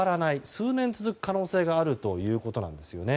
数年続く可能性があるということなんですね。